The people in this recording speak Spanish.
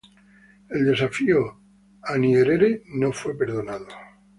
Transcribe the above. El desafío a Nyerere no fue perdonado.